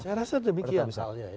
saya rasa demikian